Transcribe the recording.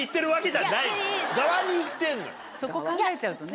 そこ考えちゃうとね。